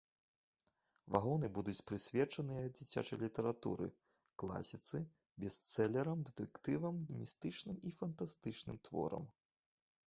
Вагоны будуць прысвечаныя дзіцячай літаратуры, класіцы, бестселерам, дэтэктывам, містычным і фантастычным творам.